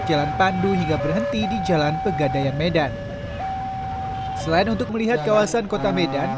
jalan pandu hingga berhenti di jalan pegadayan medan selain untuk melihat kawasan kota medan